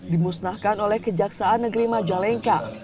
dimusnahkan oleh kejaksaan negeri majalengka